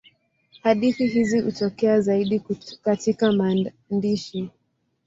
Hadithi hizi hutokea zaidi katika maandishi.